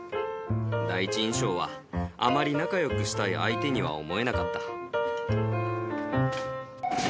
第一印象は、あまり仲よくしたい相手には思えなかった。